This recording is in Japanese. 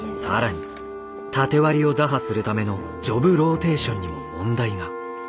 更に縦割りを打破するためのジョブローテーションにも問題が。